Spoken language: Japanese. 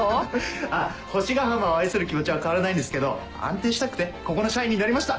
あっ星ヶ浜を愛する気持ちは変わらないんですけど安定したくてここの社員になりました。